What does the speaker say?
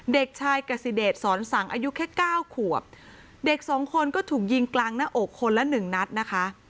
เด็กชายกสิเดชสอนสังอายุแค่เก้าขวบเด็กสองคนก็ถูกยิงกลางหน้าอกคนละหนึ่งนัดนะคะ